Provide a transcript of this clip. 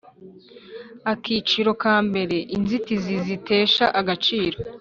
Akiciro kambere Inzitizi zitesha agaciro